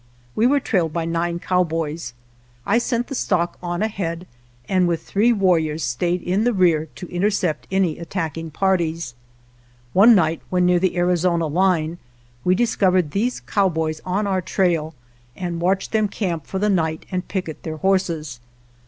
We were trailed by nine cowboys. I sent the stock on ahead and with three war riors stayed in the rear to intercept any at tacking parties. One night when near the Arizona line we discovered these cowboys on our trail and watched them camp for the night and picket their horses.